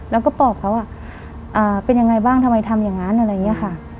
แล้วก็บอกเขาอ่ะอ่าเป็นยังไงบ้างทำไมทำยังงั้นอะไรอย่างเงี้ยค่ะ